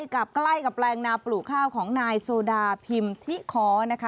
ใกล้กับแรงนาปลูกข้าวของนายโซดาพิมพ์ที่ค้อ